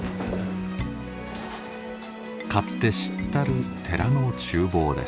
勝手知ったる寺の厨房です。